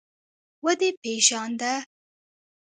ودې پېژانده.